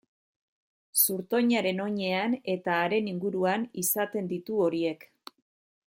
Zurtoinaren oinean eta haren inguruan izaten ditu horiek.